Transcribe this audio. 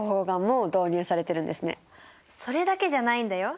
それだけじゃないんだよ。